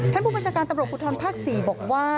ท่านผู้บัญชาการตำรวจภูทรภาค๔บอกว่า